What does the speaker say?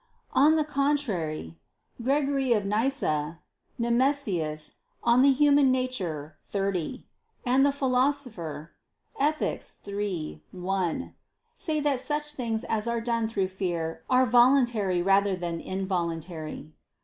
On the contrary, Gregory of Nyssa [*Nemesius, De Nat. Hom. xxx.] and the Philosopher (Ethic. iii, 1) say that such things as are done through fear are "voluntary rather than involuntary."